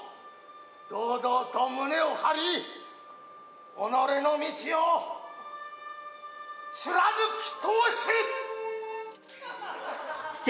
堂々と胸を張り己の道を貫き通せ！